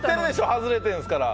外れてるんですから。